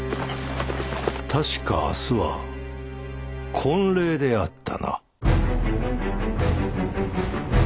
確か明日は婚礼であったな。